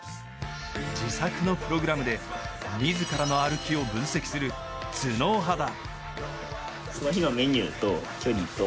自作のプログラムで自らの歩きを分析する頭脳派だ。